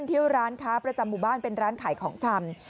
ที่ร้านค้าประจำหมู่บ้านเป็นร้านขายของชำ